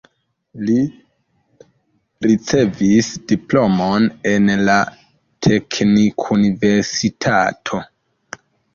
Li ricevis diplomon en la teknikuniversitato.